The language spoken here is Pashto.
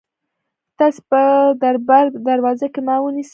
تاسي به د دربار په دروازه کې ما ونیسئ.